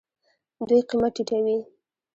دوی قیمت ټیټوي.